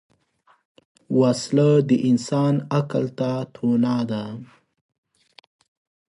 وسله د انسان عقل ته طعنه ده